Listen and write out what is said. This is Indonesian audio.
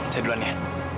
saya duluan ya